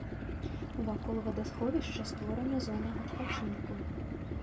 Вакол вадасховішча створана зона адпачынку.